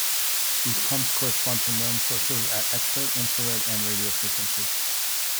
These clumps correspond to known sources at X-ray, infrared, and radio frequencies.